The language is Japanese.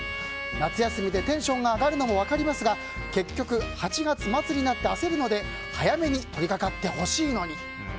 夏休みでテンションが上がるのも分かりますが結局８月末になって焦るので早めに取り掛かってほしいのに。